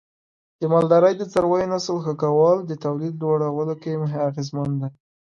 د مالدارۍ د څارویو نسل ښه کول د تولید لوړولو کې اغیزمن دی.